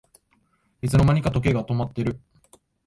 いつの間にか時計が止まってる